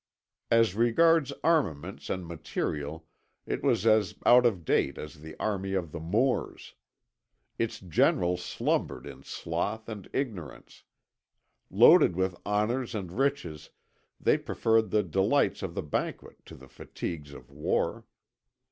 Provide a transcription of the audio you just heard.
As regards armaments and material it was as out of date as the army of the Moors. Its generals slumbered in sloth and ignorance. Loaded with honours and riches, they preferred the delights of the banquet to the fatigues of war.